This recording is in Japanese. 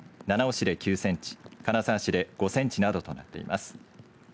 七尾市で９センチ金沢市で５センチなどとなっています。